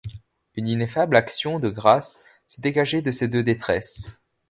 Une ineffable action de grâces se dégageait de ces deux détresses.